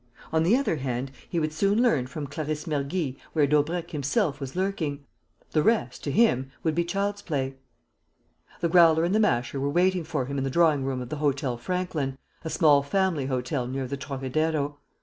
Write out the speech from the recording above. On the other hand, he would soon learn from Clarisse Mergy where Daubrecq himself was lurking. The rest, to him, would be child's play. The Growler and the Masher were waiting for him in the drawing room of the Hôtel Franklin, a small family hotel near the Trocadero.